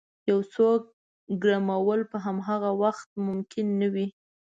یو څوک ګرمول په همغه وخت ممکن نه وي.